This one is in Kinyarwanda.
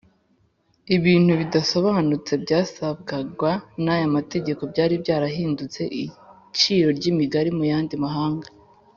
. Ibintu bidasobanutse byasabwagwa n’ayo mategeko byari byarahindutse iciro ry’imigani mu yandi mahanga